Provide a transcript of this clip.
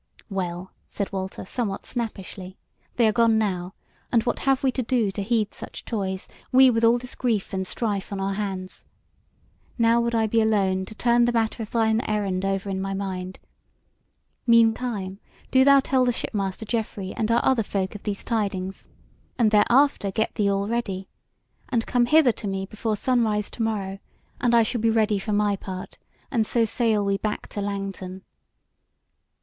"Well," said Walter, somewhat snappishly, "they are gone now, and what have we to do to heed such toys, we with all this grief and strife on our hands? Now would I be alone to turn the matter of thine errand over in my mind. Meantime do thou tell the shipmaster Geoffrey and our other folk of these tidings, and thereafter get thee all ready; and come hither to me before sunrise to morrow, and I shall be ready for my part; and so sail we back to Langton."